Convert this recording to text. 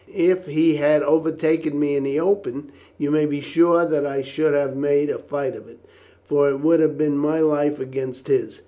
If he had overtaken me in the open, you may be sure that I should have made a fight of it, for it would have been my life against his.